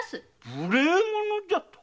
無礼者じゃと？